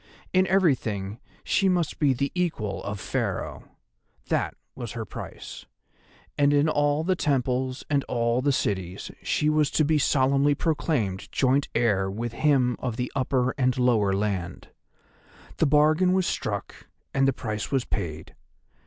In everything she must be the equal of Pharaoh—that was her price; and in all the temples and all the cities she was to be solemnly proclaimed joint heir with him of the Upper and Lower Land. The bargain was struck and the price was paid.